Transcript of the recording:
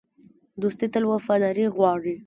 دوستي تل وفاداري غواړي.